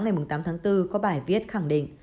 ngày tám tháng bốn có bài viết khẳng định